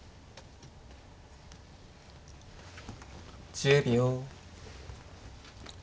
１０秒。